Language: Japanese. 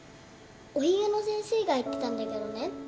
おひげの先生が言ってたんだけどね